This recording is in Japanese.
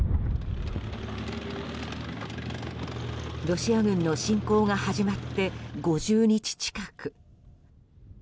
ロシア軍の侵攻が始まって５０日近く。